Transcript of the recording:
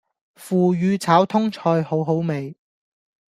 腐乳炒通菜好好味